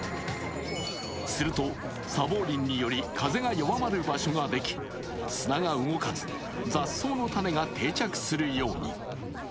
すると砂防林により風が弱まる場所ができ、砂が動かず、雑草の種が定着するように。